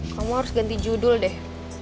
kamu harus ganti judul deh